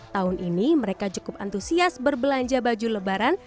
tahun ini mereka cukup antusias berbelanja baju lebaran